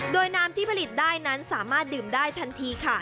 โดยน้ำที่ผลิตได้นั้นสามารถดื่มได้ทันทีค่ะ